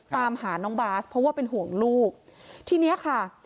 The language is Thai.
ตามหาน้องบาสเพราะว่าเป็นห่วงลูกทีเนี้ยค่ะ